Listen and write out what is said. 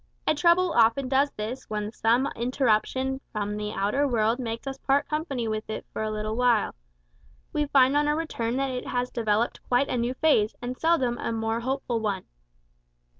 A trouble often does this when some interruption from the outer world makes us part company with it for a little while. We find on our return that it has developed quite a new phase, and seldom a more hopeful one.